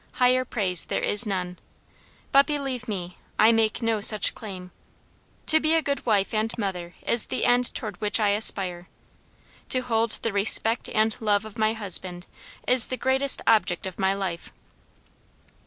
Higher praise there is none. But believe me, I make no such claim. To be a good wife and mother is the end toward which I aspire. To hold the respect and love of my husband is the greatest object of my life."